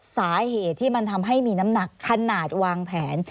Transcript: สาเหตุที่มันทำให้มีน้ำหนักขนาดวางแผน